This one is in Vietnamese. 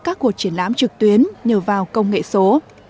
các cuộc triển lãm trực tuyến nhờ vào công nghệ số